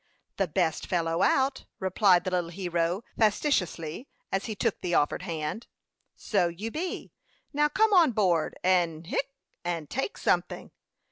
"The best fellow out," replied the little hero, facetiously, as he took the offered hand. "So you be! Now come on board, and hic and take something."